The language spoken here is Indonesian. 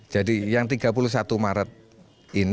jadi yang tiga puluh satu maret ini adalah batas akhir